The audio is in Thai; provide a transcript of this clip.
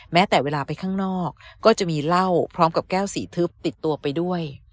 แม้แต่เวลาไปข้างนอกก็จะมีเหล้าพร้อมกับแก้วสีทึบติดตัวไปด้วย